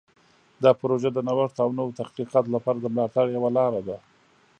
دا پروژه د نوښت او نوو تخلیقاتو لپاره د ملاتړ یوه لاره ده.